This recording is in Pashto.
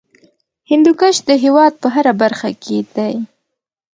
هندوکش د هېواد په هره برخه کې دی.